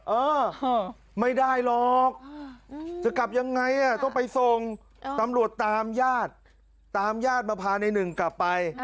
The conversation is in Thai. เออไม่ได้หรอกจะกลับยังไงต้องไปส่งตำรวจตามญาติตามญาติมาพาในหนึ่งกลับไป